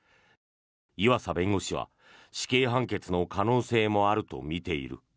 湯浅弁護士は死刑判決の可能性もあるとみている。